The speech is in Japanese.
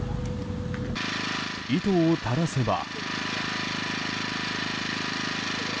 糸を垂らせば。